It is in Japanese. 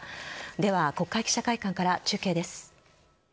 では、国会記者会館から中継です。